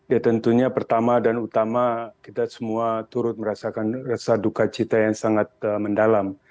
ya tentunya pertama dan utama kita semua turut merasakan rasa duka cita yang sangat mendalam